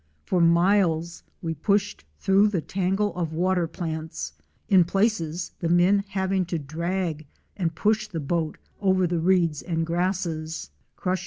For miles we pushed through the tangle of water plants; in places the men having to drag and push the boat over the reeds and grasses, crushing OUR SEARCH FOR A WILDERNESS.